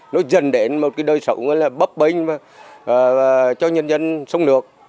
nó dần đến một cái đời sống bấp binh cho nhân dân sống được